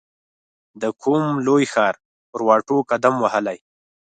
د کوم لوی ښار پر واټو قدم وهلی